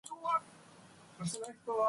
The authorities are still investigating.